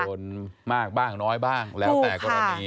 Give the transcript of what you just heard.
คนมากบ้างน้อยบ้างแล้วแต่กรณี